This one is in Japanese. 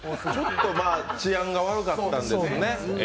ちょっと治安が悪かったんですよね。